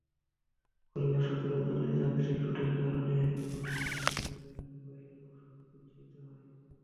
পরিবার সূত্র জানায়, যান্ত্রিক ত্রুটির কারণে ঘরের রেফ্রিজারেটরটির বাইরের অংশও বিদ্যুতায়িত হয়।